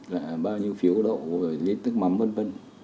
là bao nhiêu phiếu đậu lít nước mắm vân vân